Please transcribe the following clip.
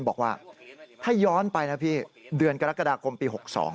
บอกว่าถ้าย้อนไปนะพี่เดือนกรกฎาคมปี๖๒